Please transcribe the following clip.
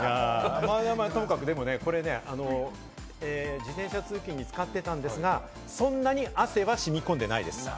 これ自転車通勤に使っていたんですが、そんなに汗は染み込んでいないです。